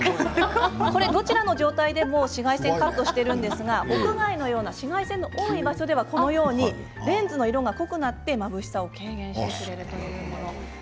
これどちらの状態でも紫外線カットしているんですが屋外のような紫外線の多い場所ではこのようにレンズの色が濃くなってまぶしさを軽減してくれるというものなんです。